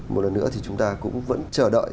một lần nữa thì chúng ta cũng vẫn chờ đợi